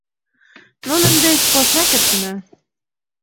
— Нунын деч поснат кертына...